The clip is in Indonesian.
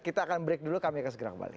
kita akan break dulu kami akan segera kembali